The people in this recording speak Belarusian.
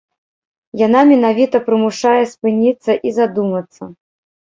Яна менавіта прымушае спыніцца і задумацца.